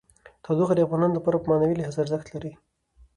تودوخه د افغانانو لپاره په معنوي لحاظ ارزښت لري.